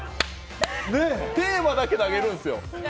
テーマだけ投げるんですよ。